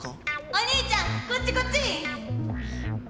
お兄ちゃんこっちこっち。